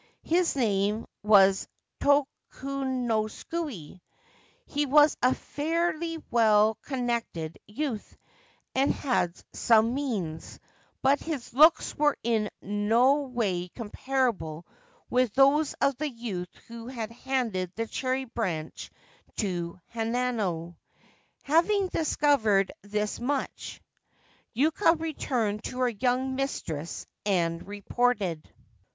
His name was Tolamosuke^ He was a fairly well connected youth, and had some means ; but his looks were in no 204 The Holy Cherry Tree way comparable with those of the youth who had handed the cherry branch to Hanano. Having discovered this much, Yuka returned to her young mistress and reported.